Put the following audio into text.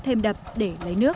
thêm đập để lấy nước